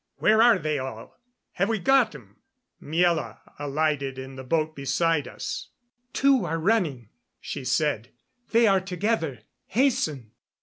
Where are they all? Have we got 'em?" Miela alighted in the boat beside us. "Two are running," she said. "They are together. Hasten."